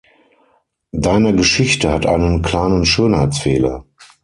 Deine Geschichte hat einen kleinen Schönheitsfehler.